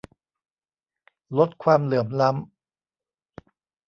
ลดความเหลื่อมล้ำ